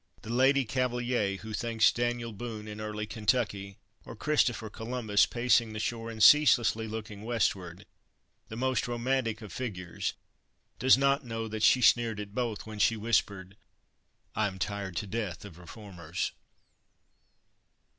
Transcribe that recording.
The Lady Cavaliere who thinks Daniel Boone in early Kentucky, or Christopher Columbus pacing the shore and ceaselessly looking westward, the most romantic of figures, does not know that she sneered at both when she whispered, "I am tired to death of reformers."